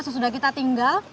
sesudah kita tinggalin